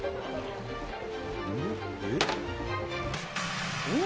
えっ？